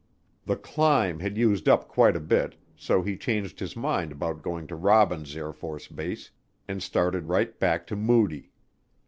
The climb had used up quite a bit, so he changed his mind about going to Robins AFB and started straight back to Moody.